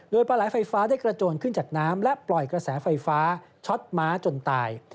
โดยปลาไหลไฟฟ้าได้กระโจนขึ้นจากน้ำและปล่อยกระแสไฟฟ้าช็อตม้าจนตาย